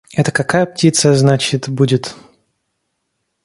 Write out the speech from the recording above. Это какая птица, значит, будет?